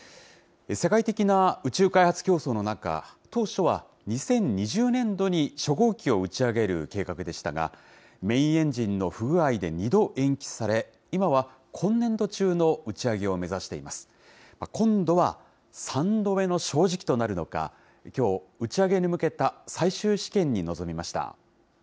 世界的な宇宙開発競争の中、当初は２０２０年度に初号機を打ち上げる計画でしたが、メインエンジンの不具合で２度延期され、今は今年度中の打ち上げを目指しています。今度は三度目の正直となるのか、きょう、打ち上げに向けた最終試験に臨みました。